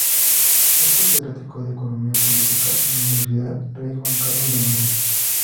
Es catedrático de Economía Política en la Universidad Rey Juan Carlos de Madrid.